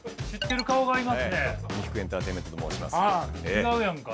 違うやんか。